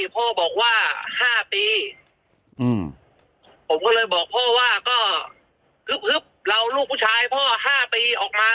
พ่อบอกว่า๕ปีผมก็เลยบอกพ่อว่าก็ฮึบเราลูกผู้ชายพ่อ๕ปีออกมา